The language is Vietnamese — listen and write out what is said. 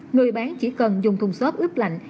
người bán chỉ cần dùng thùng xốp ướp lạnh